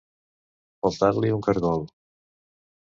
Faltar-li un caragol.